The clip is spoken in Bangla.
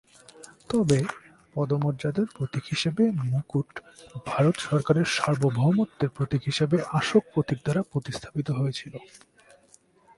তবে পদমর্যাদার প্রতীক হিসাবে মুকুট ভারত সরকারের সার্বভৌমত্বের প্রতীক হিসাবে অশোক প্রতীক দ্বারা প্রতিস্থাপিত হয়েছিল।